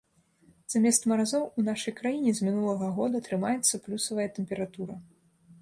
Замест маразоў у нашай краіне з мінулага года трымаецца плюсавая тэмпература.